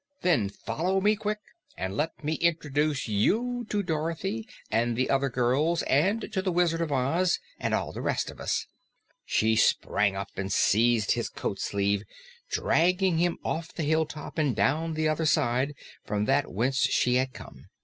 "Then follow me, quick! And let me introduce you to Dorothy and the other girls and to the Wizard of Oz and all the rest of us." She sprang up and seized his coatsleeve, dragging him off the hilltop and down the other side from that whence he had come.